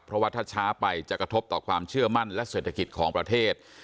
เพราะว่าถ้าช้าไปจะกระทบต่อความเชื่อมั่นและเศรษฐกิจของประเทศ